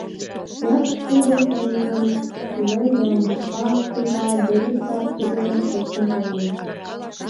Якуш тудын парымжым тӱлен, да Марпа кува деке староста дене коктын толыныт.